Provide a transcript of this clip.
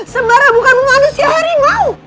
sembara bukan manusia harimau